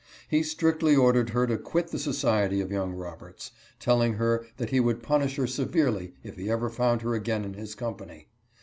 He strictly ordered her to quit the society of young Roberts, telling her that he would punish her severely if he ever found her again in his company.